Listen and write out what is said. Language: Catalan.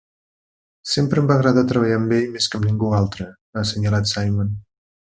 "Sempre em va agradar treballar amb ell més que amb ningú altre", ha assenyalat Simon.